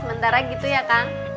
sementara gitu ya kang